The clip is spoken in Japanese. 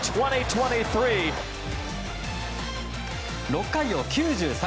６回を９３